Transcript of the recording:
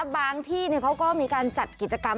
ที่เขาก็มีการจัดกิจกรรม